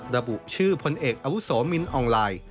ระบุชื่อพลเอกอาวุโสมินอองไลน์